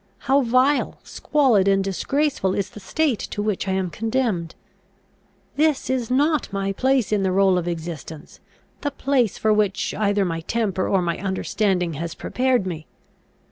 How vile, squalid, and disgraceful is the state to which I am condemned! This is not my place in the roll of existence, the place for which either my temper or my understanding has prepared me!